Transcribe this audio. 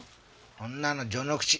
こんなの序の口。